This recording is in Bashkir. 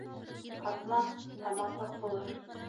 Һатма, тамаҡлыҡ булыр.